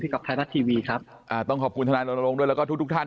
พี่กับไทยรัสทีวีครับต้องขอบคุณทนลงด้วยแล้วก็ทุกท่าน